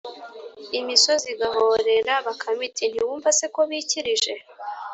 Imisozi igahorera Bakame iti: "Ntiwumva se ko bikirije?